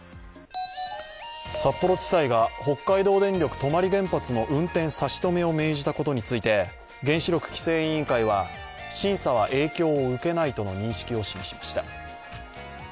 札幌地裁が北海道電力・泊原発の運転差し止めを命じたことについて原子力規制委員会は審査は影響を受けないとの認識を示しました。